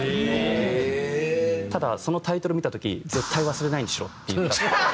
ただそのタイトル見た時「“絶対忘れない”にしろ」って言ったっていう。